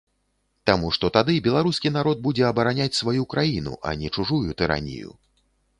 Таму што тады беларускі народ будзе абараняць сваю краіну, а не чужую тыранію.